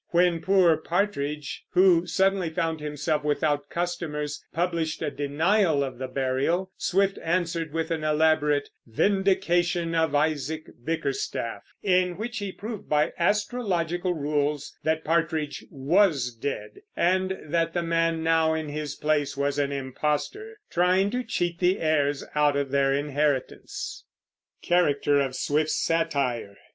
When poor Partridge, who suddenly found himself without customers, published a denial of the burial, Swift answered with an elaborate "Vindication of Isaac Bickerstaff," in which he proved by astrological rules that Partridge was dead, and that the man now in his place was an impostor trying to cheat the heirs out of their inheritance.